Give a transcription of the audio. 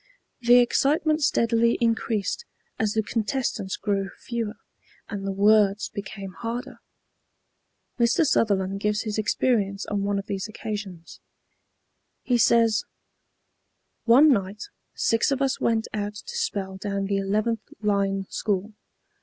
The excitement steadily increased as the contestants grew fewer, and the words became harder. Mr. Sutherland gives his experience on one of these occasions. He says: "One night six of us went out to spell down the 11th line school.